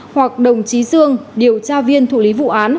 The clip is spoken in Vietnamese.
hoặc đồng chí dương điều tra viên thủ lý vụ án